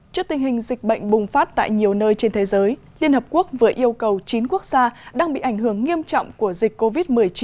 trước tình hình dịch bệnh bùng phát tại nhiều nơi trên thế giới liên hợp quốc vừa yêu cầu chín quốc gia đang bị ảnh hưởng nghiêm trọng của dịch covid một mươi chín